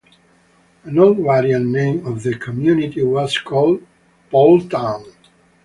An old variant name of the community was called Paultown.